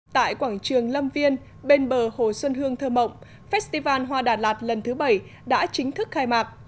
tại quảng trường lâm viên bên bờ hồ xuân hương thơ mộng festival hoa đà lạt lần thứ bảy đã chính thức khai mạc